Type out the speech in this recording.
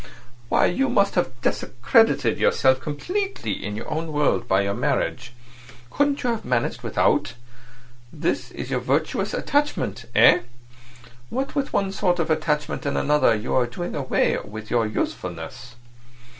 Why, you must have discredited yourself completely in your own world by your marriage. Couldn't you have managed without? This is your virtuous attachment—eh? What with one sort of attachment and another you are doing away with your usefulness."